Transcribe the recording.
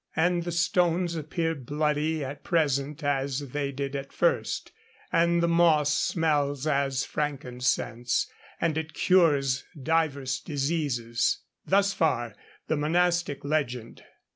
'And the stones appear bloody at present as they did at first, and the moss smells as frankincense, and it cures divers diseases.' Thus far the monastic legend.